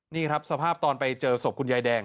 นี่ครับสภาพตอนไปเจอศพคุณยายแดง